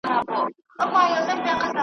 لېوه خره ته کړلې سپیني خپلي داړي .